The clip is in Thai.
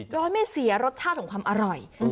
โดยไม่เสียรสชาติของความอร่อย